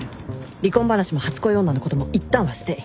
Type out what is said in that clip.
離婚話も初恋女のこともいったんはステイ